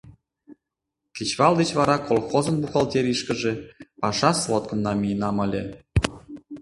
Кечывал деч вара колхозын бухгалтерийышкыже паша сводкым намиенам ыле.